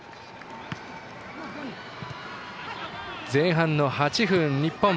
前半の８分、日本。